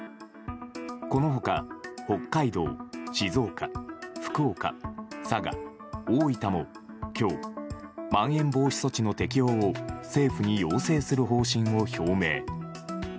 この他、北海道、静岡福岡、佐賀、大分も今日、まん延防止措置の適用を政府に要請する方針を表明。